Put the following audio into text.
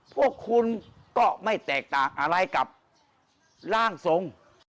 พวกคุณก็ไม่แตกต่างอะไรกับร่างทรง